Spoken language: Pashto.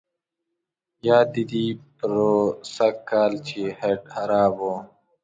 یاد دي دي پروسږ کال چې هیټ خراب وو.